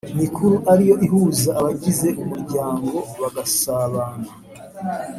mikuru ari yo ihuza abagize umuryango bagasabana